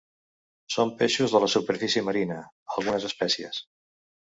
Són peixos de la superfície marina; algunes espècies.